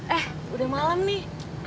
eh udah malam nih